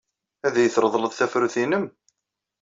Ad iyi-treḍleḍ tafrut-nnem?